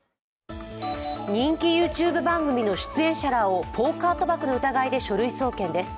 人気ＹｏｕＴｕｂｅ番組の出演者らをポーカー賭博の疑いで書類送検です。